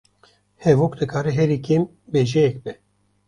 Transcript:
Hevok dikare herî kêm bêjeyek be